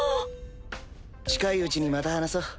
近いうちにまた話そう。